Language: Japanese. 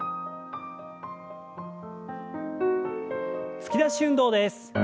突き出し運動です。